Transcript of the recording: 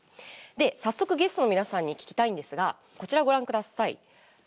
早速、ゲストの皆さんに聞きたいんですがこちら、ご覧ください。